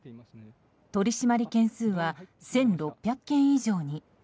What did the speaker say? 取り締まり件数は１６００件以上に。